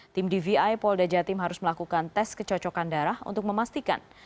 tim dvi polda jatim harus melakukan tes kecocokan darah untuk memastikan